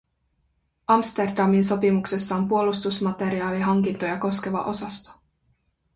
Amsterdamin sopimuksessa on puolustusmateriaalihankintoja koskeva osasto.